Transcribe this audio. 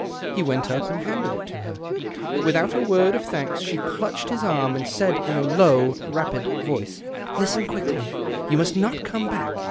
He went up and handed it to her. Without a word of thanks she clutched his arm, and said in a low, rapid voice —" Listen quickly. You must not come I tack.